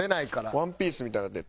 ワンピースみたいになってる。